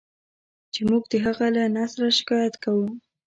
چې موږ د هغه له نثره شکایت کوو.